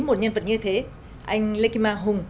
một nhân vật như thế anh lê kỳ ma hùng